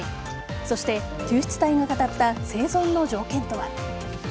そして救出隊が語った生存の条件とは。